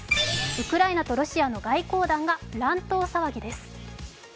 ウクライナとロシアの外交団が乱闘騒ぎです。